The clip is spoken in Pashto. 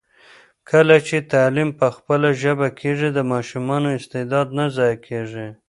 کله چي تعلیم په خپله ژبه کېږي، د ماشومانو استعداد نه ضایع کېږي.